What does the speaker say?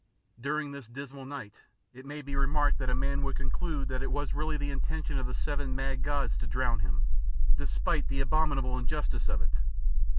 During this dismal night, it may be remarked that a man would conclude that it was really the intention of the seven mad gods to drown him, despite the abominable injustice of it.